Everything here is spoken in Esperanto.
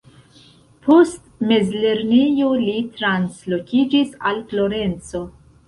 Post mezlernejo li translokiĝis al Florenco.